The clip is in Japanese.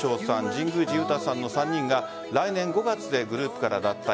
神宮寺勇太さんの３人が来年５月でグループから脱退。